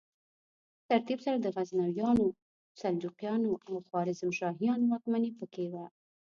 په ترتیب سره د غزنویانو، سلجوقیانو او خوارزمشاهیانو واکمني پکې وه.